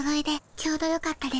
ちょうどよかったです。